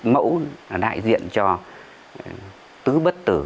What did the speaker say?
mẫu là đại diện cho tứ bất tử